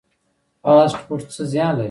فاسټ فوډ څه زیان لري؟